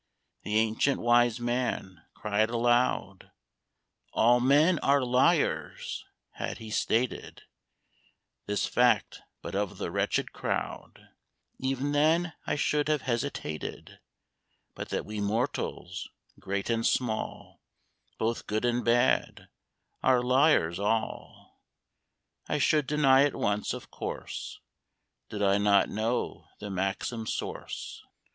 The ancient wise man cried aloud, "All men are liars!" Had he stated This fact but of the wretched crowd, E'en then I should have hesitated; But that we mortals, great and small, Both good and bad, are liars all, I should deny at once, of course, Did I not know the maxim's source.